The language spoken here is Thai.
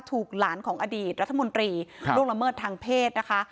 ถูกหลานของอดีตรัฐมนตรีล่วงละเมิดทางเพศนะคะ